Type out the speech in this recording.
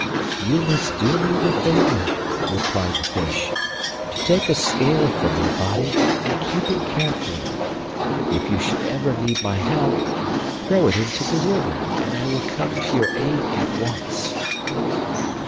'You must do me the favour,' replied the fish, 'to take a scale from my body, and keep it carefully. If you should ever need my help, throw it into the river, and I will come to your aid at once.